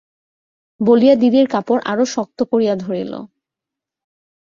বলিয়া দিদির কাপড় আরও শক্ত করিয়া ধরিল।